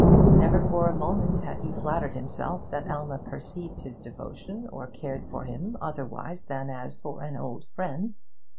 Never for a moment had he flattered himself that Alma perceived his devotion or cared for him otherwise than as for an old friend.